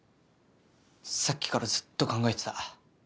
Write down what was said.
さっきからずっと考えてた。